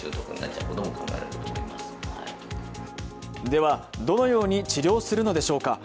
では、どのように治療するのでしょうか。